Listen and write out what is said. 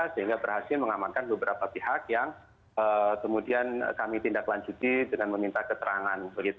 sehingga berhasil mengamankan beberapa pihak yang kemudian kami tindak lanjuti dengan meminta keterangan